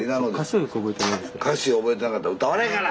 歌詞覚えてなかったら歌われへんがな！